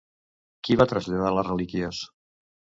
Qui va traslladar les relíquies?